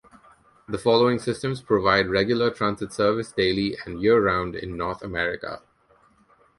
The following systems provide regular transit service daily and year-round in North America.